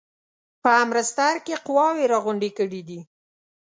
په امرتسر کې قواوي را غونډي کړي دي.